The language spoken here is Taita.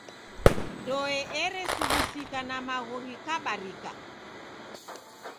Ndoe eresughusika, na magho ghikabarika.